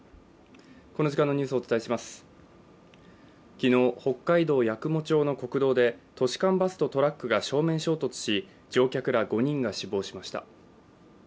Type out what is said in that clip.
昨日、北海道八雲町の国道で都市間バスとトラックが正面衝突し乗客ら５人が死亡しました。